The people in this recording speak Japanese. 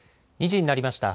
２時になりました。